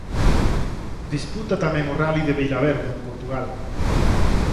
Disputa tamén o Rali de Vila Verde en Portugal.